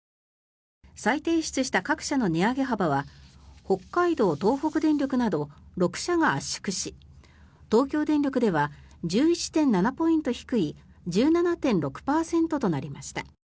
再提出した各社の値上げ幅は北海道・東北電力など６社が圧縮し東京電力では１１．７ポイント低い１７．６％となりました。